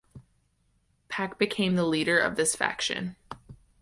Pak became the leader of this faction.